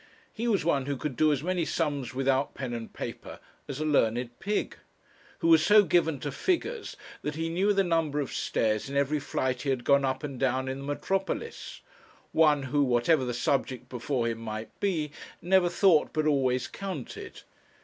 He was one who could do as many sums without pen and paper as a learned pig; who was so given to figures that he knew the number of stairs in every flight he had gone up and down in the metropolis; one who, whatever the subject before him might be, never thought but always counted.